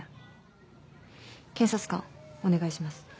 検察官お願いします。